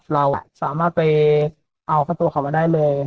เราสามารถไปเอาข้าวตัวของมันได้เลย